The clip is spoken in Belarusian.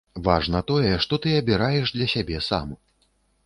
Важна тое, што ты абіраеш для сябе сам.